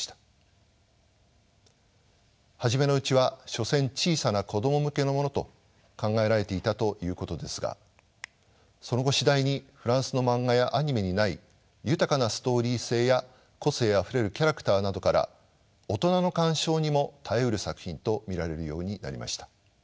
初めのうちは所詮小さな子供向けのものと考えられていたということですがその後次第にフランスの漫画やアニメにない豊かなストーリー性や個性あふれるキャラクターなどから大人の鑑賞にも堪えうる作品と見られるようになりました。